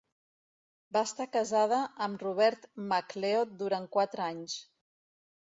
Va estar casada amb Robert MacLeod durant quatre anys.